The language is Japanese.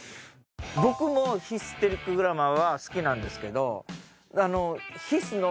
僕もヒステリックグラマー好きなんですけど。